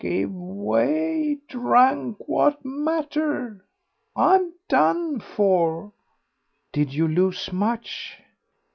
"Give way! Drunk, what matter? I'm done for." "Did you lose much?"